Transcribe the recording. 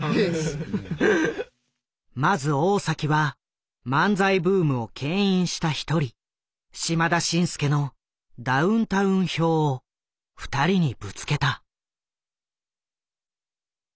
まず大は漫才ブームを牽引した一人島田紳助のダウンタウン評を二人にぶつけた。